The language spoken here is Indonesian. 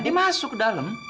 dia masuk ke dalam